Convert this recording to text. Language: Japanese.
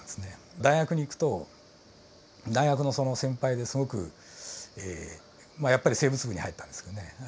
大学に行くと大学のその先輩ですごくまあやっぱり生物部に入ったんですけどね。